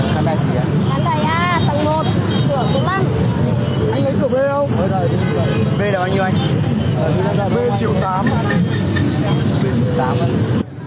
cảm ơn các bạn đã theo dõi